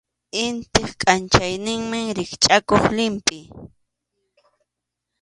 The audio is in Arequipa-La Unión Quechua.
Intip kʼanchayninman rikchʼakuq llimpʼi.